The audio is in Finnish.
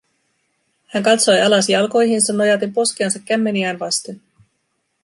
Hän katsoi alas jalkoihinsa nojaten poskensa kämmeniään vasten.